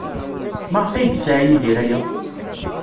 Maɣef ay yesɛa Yidir aya?